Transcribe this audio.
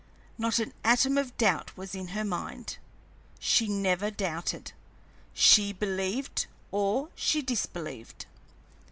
Not an atom of doubt was in her mind; she never doubted, she believed or she disbelieved.